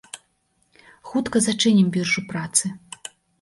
Хутка зачынім біржу працы!